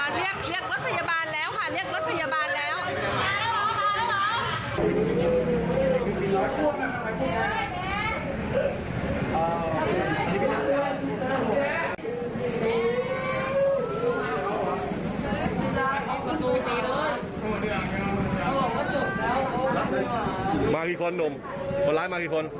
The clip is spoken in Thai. เรียกรถพยาบาลแล้วค่ะเรียกรถพยาบาลแล้ว